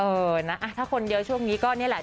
เออนะถ้าคนเยอะช่วงนี้ก็นี่แหละ